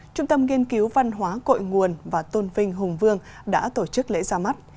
trung tâm nghiên cứu văn hóa cội nguồn và tôn vinh hùng vương đã tổ chức lễ ra mắt